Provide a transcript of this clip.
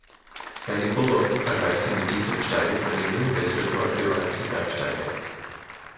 Fanny Bullock erreichte mit dieser Besteigung einen Höhenweltrekord für weibliche Bergsteiger.